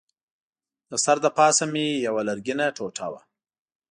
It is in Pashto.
د سر له پاسه مې یوه لرګینه ټوټه وه.